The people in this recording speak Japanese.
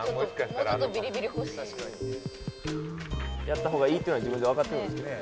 「やった方がいいっていうのは自分でわかってるんですけどね」